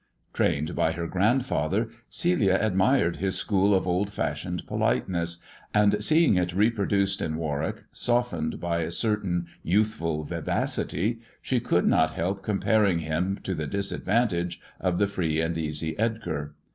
Trained by her grandfather, Celia admired his school : old fashioned politeness, and seeing it reproduced in Warwick, softened by a certain youthful vivacity, she could 3t help comparing him to the disadvantage of the free id easy Edgar.